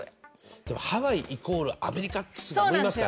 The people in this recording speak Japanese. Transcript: でもハワイイコールアメリカってすぐ思いますかね？